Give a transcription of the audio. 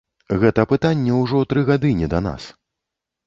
Гэта пытанне ўжо тры гады не да нас.